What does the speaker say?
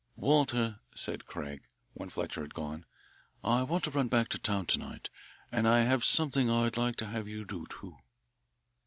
"Walter," said Craig, when Fletcher had gone, "I want to run back to town to night, and I have something I'd like to have you do, too."